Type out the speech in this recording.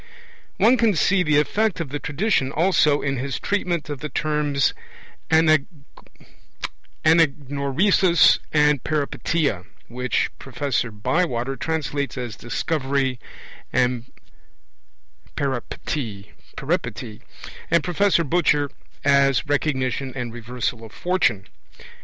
One can see the effect of the tradition also in his treatment of the terms Anagnorisis and Peripeteia, which Professor Bywater translates as 'Discovery and Peripety' and Professor Butcher as 'Recognition and Reversal of Fortune'.